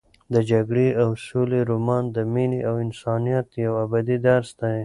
د جګړې او سولې رومان د مینې او انسانیت یو ابدي درس دی.